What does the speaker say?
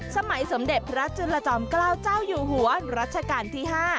สมัยสมเด็จพระจุลจอมเกล้าเจ้าอยู่หัวรัชกาลที่๕